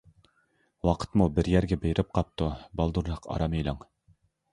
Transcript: ۋاقىتمۇ بىر يەرگە بېرىپ قاپتۇ، بالدۇرراق ئارام ئېلىڭ!